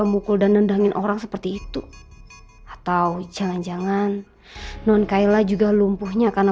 mukul dan nendangin orang seperti itu atau jangan jangan non kayla juga lumpuhnya karena